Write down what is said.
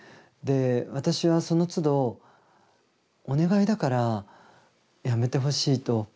私はそのつどお願いだからやめてほしいと。